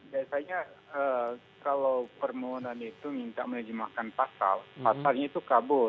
biasanya kalau permohonan itu minta menerjemahkan pasal pasalnya itu kabur